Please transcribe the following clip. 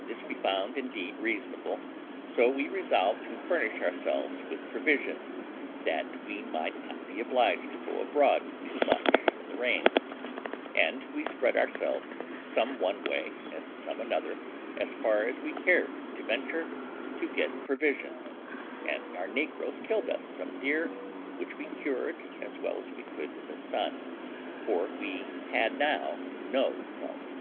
This we found, indeed, reasonable, so we resolved to furnish ourselves with provisions, that we might not be obliged to go abroad too much in the rain, and we spread ourselves some one way and some another, as far as we cared to venture, to get provisions; and our negroes killed us some deer, which we cured as well as we could in the sun, for we had now no salt.